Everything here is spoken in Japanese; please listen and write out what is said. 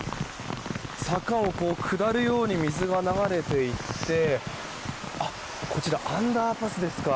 坂を下るように水が流れて行ってこちら、アンダーパスですか。